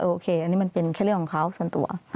โอเคอันนี้มันเป็นแค่เรื่องของเขาส่วนตัว